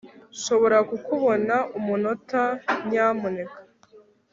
Nshobora kukubona umunota nyamuneka